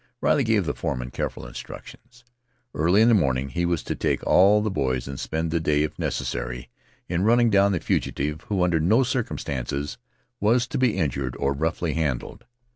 Riley gave the foreman careful instructions; early in the morning he was to take all the boys and spend the day, if necessary, in running down the fugitive, who under no circumstances was to be injured or roughly handled.